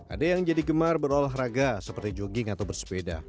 ada yang jadi gemar berolahraga seperti jogging atau bersepeda